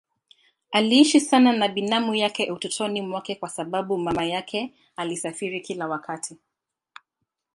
Aliishi sana na binamu yake utotoni mwake kwa sababu mama yake alisafiri kila wakati.